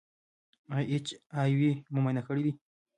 ایا ایچ آی وي مو معاینه کړی دی؟